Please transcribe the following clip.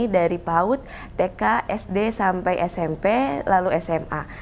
dari paut tk sd sampai smp lalu sma